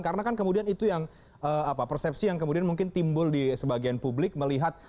karena kan kemudian itu yang persepsi yang kemudian mungkin timbul di sebagian publik melihat